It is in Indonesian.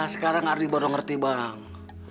sekarang ardi baru ngerti bang